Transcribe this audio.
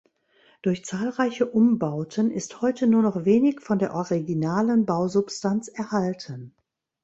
Durch zahlreiche Umbauten ist heute nur noch wenig von der originalen Bausubstanz erhalten.